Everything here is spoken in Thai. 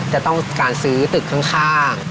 จะต้องการซื้อตึกข้าง